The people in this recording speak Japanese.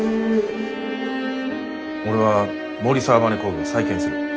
俺は森澤バネ工業を再建する。